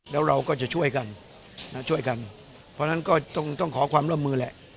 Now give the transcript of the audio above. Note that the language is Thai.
แล้วเราก็จะช่วยกันนะช่วยกันช่วยกันเพราะฉะนั้นก็ต้องขอความร่วมมือแหละ